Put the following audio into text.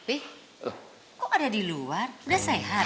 eh kok ada di luar udah sehat